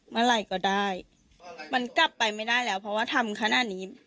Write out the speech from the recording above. เมื่อไหร่ก็ได้มันกลับไปไม่ได้แล้วเพราะว่าทำขนาดนี้